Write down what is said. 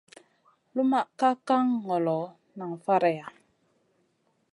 Lumʼma ka kan ŋolo, nan faraiya.